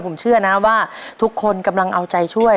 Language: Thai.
ผมเชื่อนะว่าทุกคนกำลังเอาใจช่วย